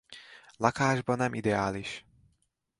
Lakásba nem ideális.